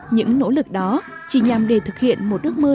những nỗ lực đó chỉ nhằm để thực hiện một ước mơ giản dị